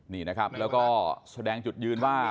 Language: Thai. นี่นะครับแล้วก็แสดงจุดยืนว่า